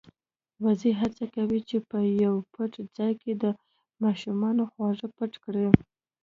وزې هڅه وکړه چې په يو پټ ځای کې د ماشومانو خواږه پټ کړي.